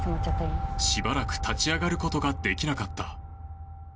しばらく立ち上がることができなかった。